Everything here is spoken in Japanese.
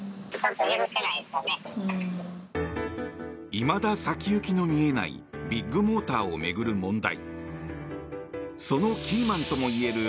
いまだ先行きの見えないビッグモーターを巡る問題。